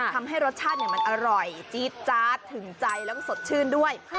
ทำให้รสชาติมันอร่อยจี๊ดจาดถึงใจแล้วก็สดชื่นด้วย